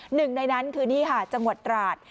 หนึ่งในนั้นคือนี่ค่ะจังหวัดตราด